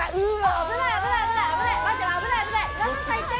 危ない危ない！